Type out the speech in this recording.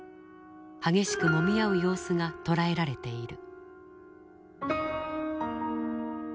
激しくもみ合う様子が捉えられている。